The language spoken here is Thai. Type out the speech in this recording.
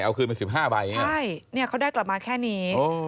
เอาคืนมาสิบห้าใบใช่เนี้ยเขาได้กลับมาแค่นี้โอ้โห